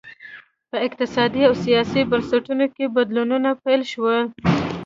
په اقتصادي او سیاسي بنسټونو کې بدلونونه پیل شول